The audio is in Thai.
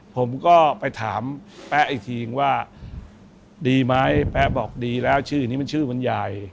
ผมก็ไปถามแป๊ะอีกทีว่าดีไหมแป๊ะบอกดีแล้วชื่อนี้มันชื่อมันใหญ่